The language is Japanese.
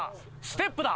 ステップだ。